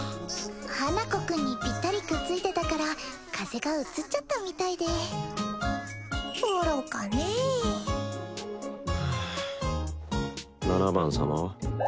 花子くんにぴったりくっついてたから風邪がうつっちゃったみたいで愚かねえはあ七番様は？